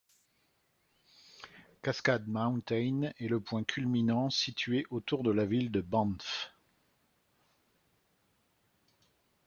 Cascade Mountain est le point culminant situé autour de la ville de Banff.